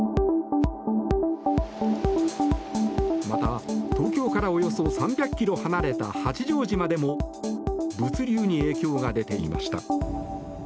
また、東京からおよそ３００ｋｍ離れた八丈島でも物流に影響が出ていました。